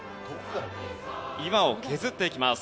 岩を削っていきます。